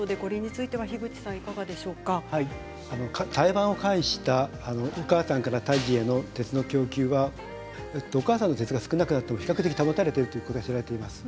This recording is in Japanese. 胎盤を介したお母さんから胎児への鉄の供給はお母さんの鉄が少なくなっても比較的、保たれていることが知られています。